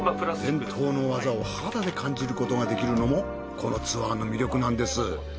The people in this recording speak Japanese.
伝統の技を肌で感じることができるのもこのツアーの魅力なんです。